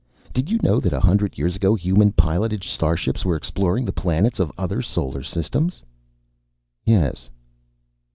Did you know that a hundred years ago human piloted starships were exploring the planets of other solar systems?" "Yes."